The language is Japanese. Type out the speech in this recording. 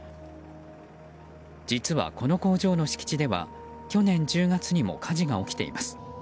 実は、この工場の敷地では去年１０月にも火事が起きています。